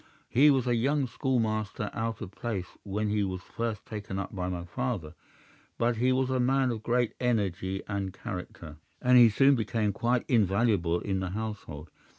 He was a young schoolmaster out of place when he was first taken up by my father, but he was a man of great energy and character, and he soon became quite invaluable in the household.